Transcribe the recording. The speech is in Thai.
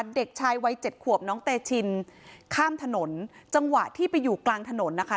เด็กชายวัยเจ็ดขวบน้องเตชินข้ามถนนจังหวะที่ไปอยู่กลางถนนนะคะ